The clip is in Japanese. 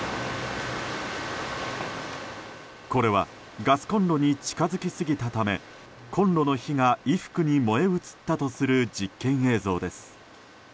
これはガスコンロに近づきすぎたためコンロの火が衣服に燃え移ったとする実験映像です。